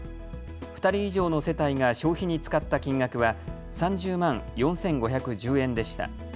２人以上の世帯が消費に使った金額は３０万４５１０円でした。